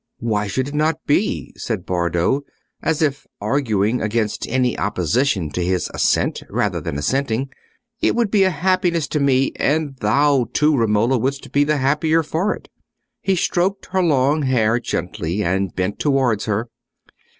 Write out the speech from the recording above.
"Why should it not be?" said Bardo, as if arguing against any opposition to his assent, rather than assenting. "It would be a happiness to me; and thou, too, Romola, wouldst be the happier for it." He stroked her long hair gently and bent towards her.